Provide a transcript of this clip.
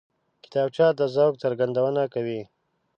کتابچه د ذوق څرګندونه کوي